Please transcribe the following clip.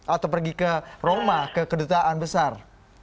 atau pergi ke roma ke kedutaan besar